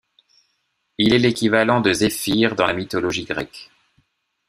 Il est l'équivalent de Zéphyr dans la mythologie grecque.